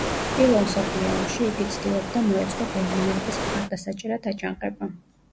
პირველ მსოფლიო ომში იგი ცდილობდა მოეწყო გერმანელების მხარდასაჭერად აჯანყება.